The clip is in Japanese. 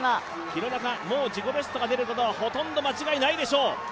廣中、自己ベストが出ることはほとんど間違いないでしょう。